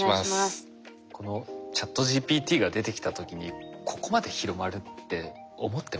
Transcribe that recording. このＣｈａｔＧＰＴが出てきた時にここまで広まるって思ってましたか？